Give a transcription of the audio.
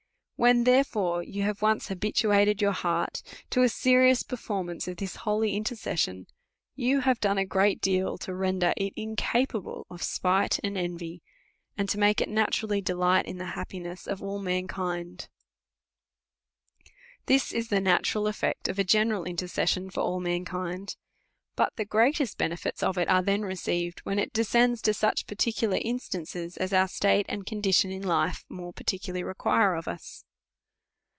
When, therefore, you have once habituated your heart to a serious performance of this holy intercession, you have done a great deal to render it incapable of spite and envy, and to make it naturally delight in the happiness of all mankind. This is the natural eft'ect of a general intercession for all mankind. But the greatest benefits of it are then received, when it de scends to such particular instances as our state and condition in life more particularly require of us.